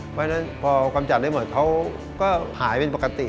เพราะฉะนั้นพอกำจัดได้หมดเขาก็หายเป็นปกติ